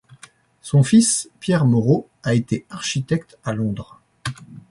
Son fils, Pierre Moro, a été architecte à Londres.